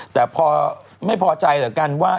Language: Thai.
แต่พอไม่พอใจแล้วกันว่า